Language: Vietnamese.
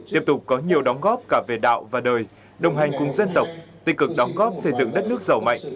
tiếp tục có nhiều đóng góp cả về đạo và đời đồng hành cùng dân tộc tích cực đóng góp xây dựng đất nước giàu mạnh